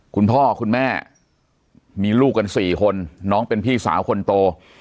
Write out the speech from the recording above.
คุณพ่อคุณแม่มีลูกกัน๔คนน้องเป็นพี่สาวคนโต